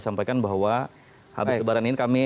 sampaikan bahwa habis lebaran ini kami